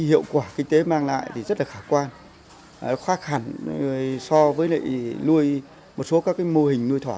hiệu quả kinh tế mang lại thì rất là khả quan khác hẳn so với nuôi một số các mô hình nuôi thỏ